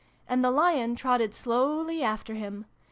And the Lion trotted slowly after him.